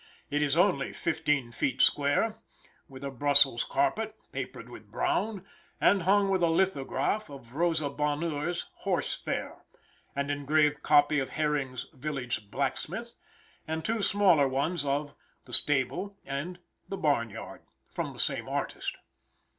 It is only fifteen feet square, with a Brussels carpet, papered with brown, and hung with a lithograph of Rosa Bonheur's "Horse Fair," an engraved copy of Herring's "Village Blacksmith," and two smaller ones, of "The Stable" and "The Barn Yard," from the same artist.